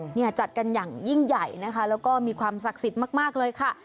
เนี่ยจัดกันอย่างยิ่งใหญ่นะคะแล้วก็มีความศักดิ์สิทธิ์มากมากเลยค่ะ